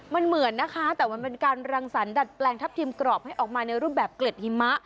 มันเหมือนนะคะแต่มันเป็นการรังสรรดัดแปลงทัพทิมกรอบให้ออกมาในรูปแบบเกล็ดหิมะ